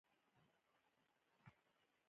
مرکه د خلکو ژوند منعکسوي.